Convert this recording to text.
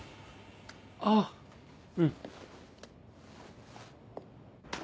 あぁうん。